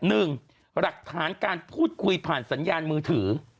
หนึ่งหลักฐานการพูดคุยผ่านสัญญาณมือถือ